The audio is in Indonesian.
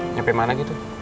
ngepe mana gitu